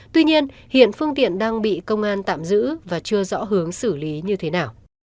tuy nhiên hiện phương tiện đang bị công an tạm giữ và chưa rõ hướng xử lý như thế nào